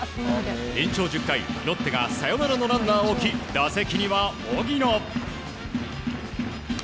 延長１０回、ロッテがサヨナラのランナーを置き打席には、荻野。